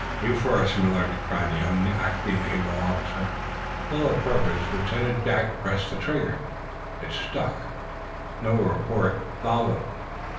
"You first, then, Millard!" cried the young acting naval officer. Full of purpose, Lieutenant Jack pressed the trigger. It stuck. No report followed.